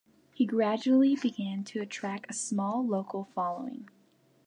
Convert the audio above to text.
He gradually began to attract a small local following.